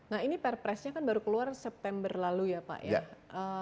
nah ini perpresnya kan baru keluar september lalu ya pak ya